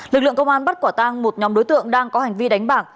lực lượng công an bắt quả tang một nhóm đối tượng đang có hành vi đánh bạc